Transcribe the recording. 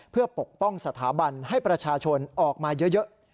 เพื่อปกป้องสถาบันให้ประชาชนออกมาเยอะ